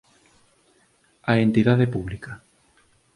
A entidade pública.